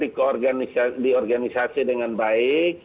di organisasi dengan baik